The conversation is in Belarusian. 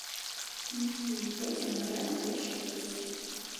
У мінулым годзе набралі першы курс.